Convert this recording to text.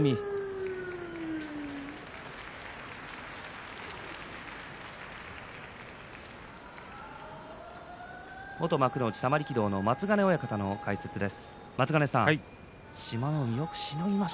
拍手元玉力道の松ヶ根親方の解説です。